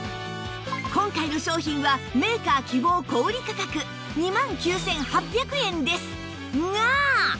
今回の商品はメーカー希望小売価格２万９８００円ですが